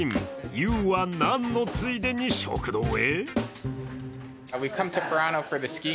ＹＯＵは何のついでに食堂へ？